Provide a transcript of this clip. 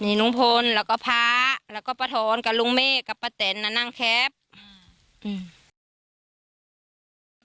มีลุงพลแล้วก็พระแล้วก็ป้าทอนกับลุงเมฆกับป้าแตนน่ะนั่งแคปอืม